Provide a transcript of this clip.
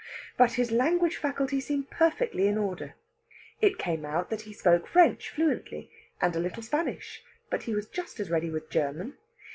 But his language faculty seemed perfectly in order. It came out that he spoke French fluently, and a little Spanish, but he was just as ready with German.